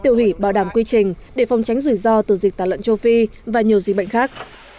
biện pháp tiêu hủy bảo đảm quy trình để phòng tránh rủi ro từ dịch tàn lợn châu phi và nhiều dịch bệnh khác